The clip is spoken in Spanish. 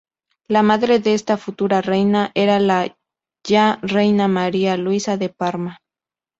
La madre de esta futura reina era la ya reina María Luisa de Parma.